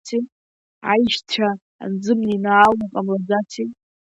Аишьцәа анзымнеинаало ҟамлаӡаци?